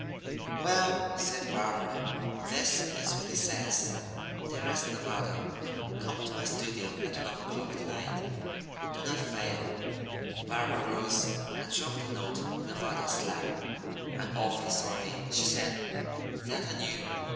"Well," said Barbara, "this is what it says: 'Dearest Nevada Come to my studio at twelve o'clock to night. Do not fail.'" Barbara rose and dropped the note in Nevada's lap. "I'm awfully sorry," she said, "that I knew.